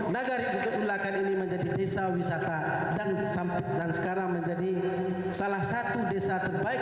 nagari kebelakang ini menjadi desa wisata dan sekarang menjadi salah satu desa terbaik